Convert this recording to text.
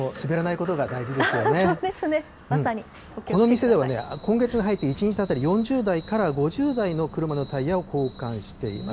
この店ではね、今月に入って１日当たり４０台から５０台の車のタイヤを交換しています。